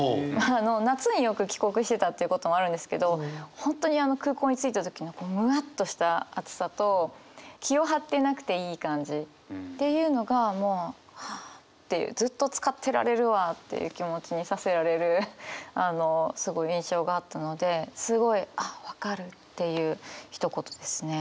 夏によく帰国してたということもあるんですけど本当に空港に着いた時のこうむわっとした暑さと気を張っていなくていい感じっていうのがもうはあっていうずっとつかってられるわっていう気持ちにさせられるすごい印象があったのですごいあっ分かるっていうひと言ですね。